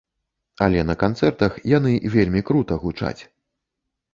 Але на канцэртах яны вельмі крута гучаць.